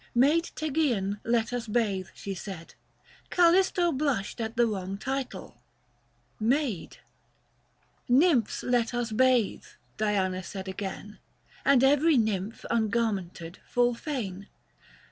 " Maid Tegesean let us bathe," she said : Callisto blushed at the wrong title, " Maid." " Nymphs let us bathe," Diana said again ; And every nymph ungarmented full fain.